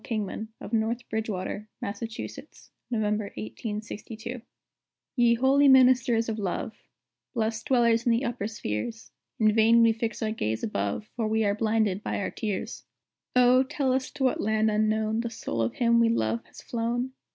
Kingman, of North Bridgewater, Mass., November, 1862.] Ye holy ministers of Love, Blest dwellers in the upper spheres, In vain we fix our gaze above, For we are blinded by our tears. O, tell us to what land unknown The soul of him we love has flown?